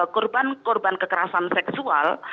korban korban kekerasan seksual